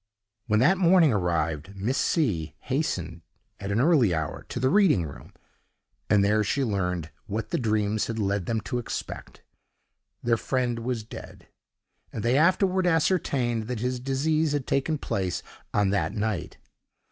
When that morning arrived, Miss C—— hastened at an early hour to the reading room, and there she learned what the dreams had led them to expect: their friend was dead; and they afterward ascertained that his decease had taken place on that night.